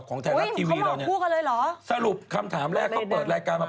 ของไทยลักษณ์ทีวีเราเนี่ยสรุปคำถามแรกเขาเปิดรายการมา